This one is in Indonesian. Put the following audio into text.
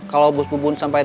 kalo bos bubun sampai tau